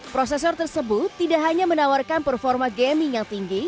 prosesor tersebut tidak hanya menawarkan performa gaming yang tinggi